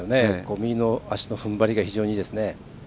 右の足の踏ん張りが非常にいいですね。